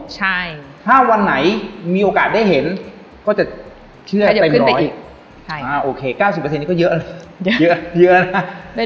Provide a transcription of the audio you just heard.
ใช่ถ้าวันไหนมีโอกาสได้เห็นก็จะเชื่อเต็มร้อยใช่อ่าโอเคเก้าสิบเปอร์เซ็นต์นี้ก็เยอะเลยเยอะ